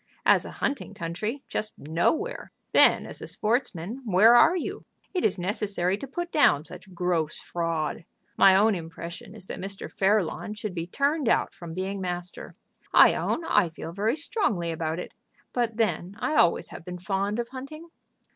As a hunting country, just nowhere. Then as a sportsman, where are you? It is necessary to put down such gross fraud. My own impression is that Mr. Fairlawn should be turned out from being master. I own I feel very strongly about it. But then I always have been fond of hunting."